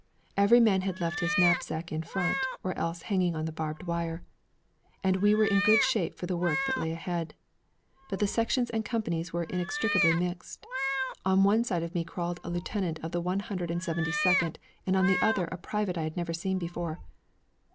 Every man had left his knapsack in front, or else hanging on the barbed wire, and we were in good shape for the work that lay ahead. But the sections and companies were inextricably mixed. On one side of me crawled a lieutenant of the One Hundred and Seventy Second and on the other a private I had never seen before.